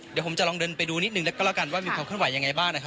เดี๋ยวผมจะลองเดินไปดูนิดนึงแล้วก็แล้วกันว่ามีความขึ้นไหวอย่างไรบ้าง